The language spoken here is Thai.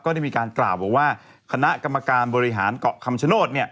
ได้มีการกล่าวบอกว่าคณะกรรมการบริหารเกาะคำชโนธ